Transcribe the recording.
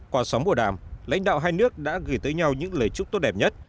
qua sóng mùa đàm lãnh đạo hai nước đã gửi tới nhau những lời chúc tốt đẹp nhất